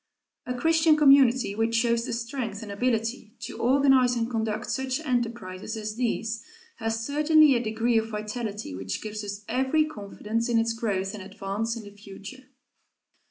A Christian community which shows the strength and ability to organize and conduct such enterprises as these has certainly a degree of vitality which gives us every confidence in its growth and advance in the future.